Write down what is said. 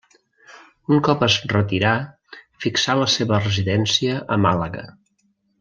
Un cop es retirà fixà la seva residència a Màlaga.